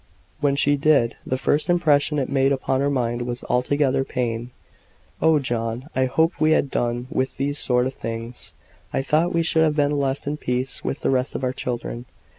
When she did, the first impression it made upon her mind was altogether pain. "Oh, John! I hoped we had done with these sort of things; I thought we should have been left in peace with the rest of our children."